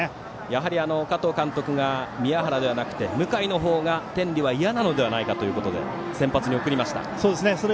やはり加藤監督が宮原ではなくて向井の方が天理はいやなのではないかということで先発に送りました。